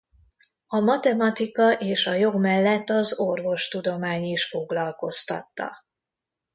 A matematika és a jog mellett az orvostudomány is foglalkoztatta.